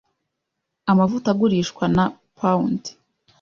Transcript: Amavuta agurishwa na pound.